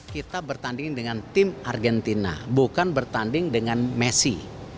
kita bertanding dengan tim argentina bukan bertanding dengan messi